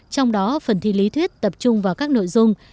trong đó phần thi lý thuyết tập trung vào các nội dung